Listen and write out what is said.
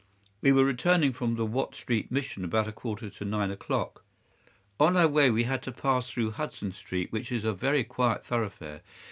"'We were returning from the Watt Street Mission about a quarter to nine o'clock. On our way we had to pass through Hudson Street, which is a very quiet thoroughfare.